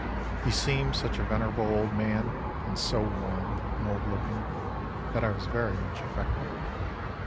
He seemed such a venerable old man, and so worn and old looking, that I was very much affected.